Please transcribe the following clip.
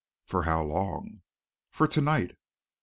"For how long?" "For to night."